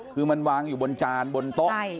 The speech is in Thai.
คือมันวางอยู่บนจานบนโต๊ะ